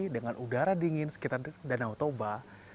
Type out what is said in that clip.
dengan udara dingin sekitar danau toba